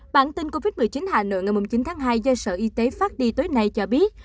bản tin covid một mươi chín hà nội ngày chín tháng hai do sở y tế phát đi tối nay cho biết